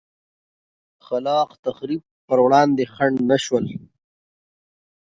خلا ق تخریب پر وړاندې خنډ نه شول.